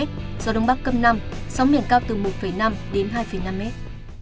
gió đông bắc cấp năm sóng biển cao từ một năm đến hai năm mét